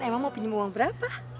emang mau pinjam uang berapa